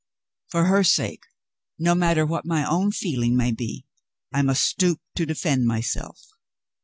For her sake, no matter what my own feeling may be, I must stoop to defend myself.